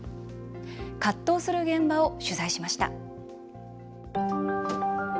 葛藤する現場を取材しました。